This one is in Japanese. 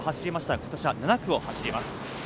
今年は７区を走ります。